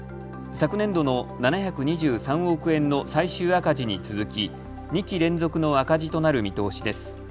昨年度の７２３億円の最終赤字に続き２期連続の赤字となる見通しです。